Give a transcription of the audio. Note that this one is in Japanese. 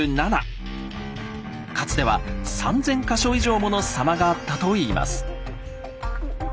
かつては３，０００か所以上もの狭間があったといいます。